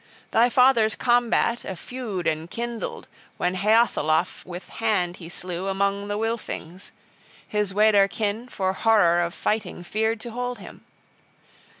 Thy father's combat {7a} a feud enkindled when Heatholaf with hand he slew among the Wylfings; his Weder kin for horror of fighting feared to hold him.